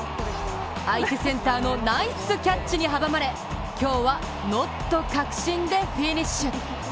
相手センターのナイスキャッチに阻まれ、今日はノット確信でフィニッシュ。